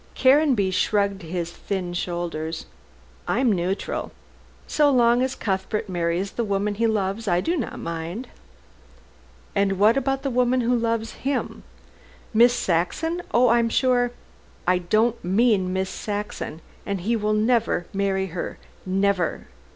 Caranby shrugged his thin shoulders. "I am neutral. So long as Cuthbert marries the woman he loves, I do not mind." "And what about the woman who loves him?" "Miss Saxon? Oh, I am sure " "I don't mean Miss Saxon, and he will never marry her never.